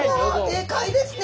でかいですね！